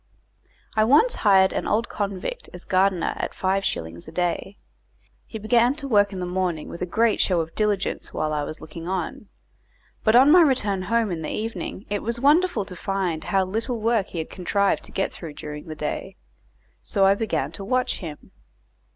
I once hired an old convict as gardener at five shillings a day. He began to work in the morning with a great show of diligence while I was looking on. But on my return home in the evening it was wonderful to find how little work he had contrived to get through during the day; so I began to watch him.